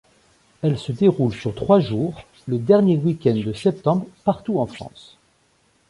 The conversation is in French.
Elle se déroule sur trois jours, le dernier week-end de septembre partout en France.